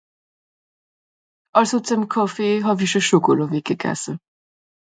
àlso zùm kàffee hàw'isch à chòcòlàt wecke gasse